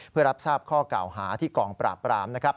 เพื่อรับทราบข้อเก่าหาที่กองปราบปรามนะครับ